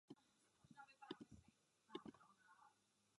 Většina druhů je rozšířena v jižní Africe.